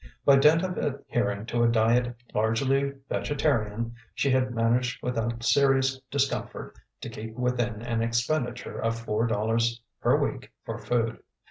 By dint of adhering to a diet largely vegetarian, she had managed without serious discomfort to keep within an expenditure of four dollars per week for food.